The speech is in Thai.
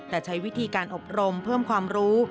แต่ใช้วิธีการอบรมเพิ่มความรู้